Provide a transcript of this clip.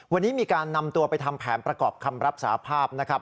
วันนี้มีการนำตัวไปทำแผนประกอบคำรับสาภาพนะครับ